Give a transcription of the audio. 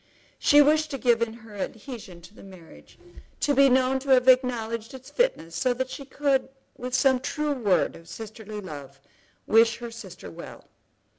She wished to give in her adhesion to the marriage, to be known to have acknowledged its fitness so that she could, with some true word of sisterly love, wish her sister well.